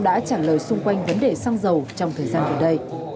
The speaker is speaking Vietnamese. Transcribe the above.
các cơ quan cũng đã trả lời xung quanh vấn đề xăng dầu trong thời gian vừa đây